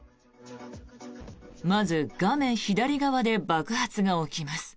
まず、画面左側で爆発が起きます。